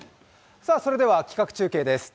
それでは、企画中継です。